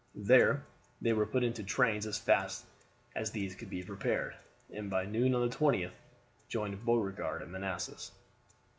There they were put into trains as fast as these could be prepared, and by noon on the 20th joined Beauregard at Manassas.